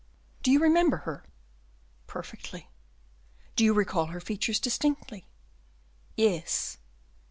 "Do you remember her?" "Perfectly." "Do you recall her features distinctly?" "Yes."